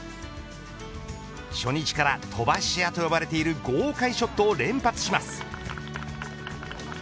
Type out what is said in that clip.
初日から飛ばし屋といわれている豪快ショットを連発します。